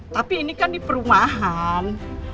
tapi ini kan di perumahan